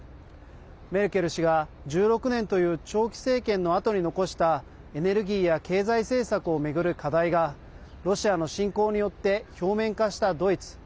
メルケル氏が１６年という長期政権のあとに残したエネルギーや経済政策を巡る課題がロシアの侵攻によって表面化したドイツ。